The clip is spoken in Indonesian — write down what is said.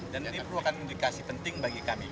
dan ini perlu akan mendikasi penting bagi kami